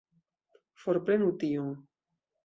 Forprenu tion!